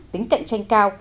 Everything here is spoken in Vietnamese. tính cạnh tranh cao